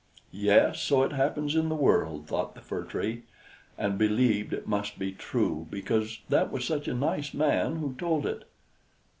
"Yes, so it happens in the world!" thought the Fir Tree, and believed it must be true, because that was such a nice man who told it.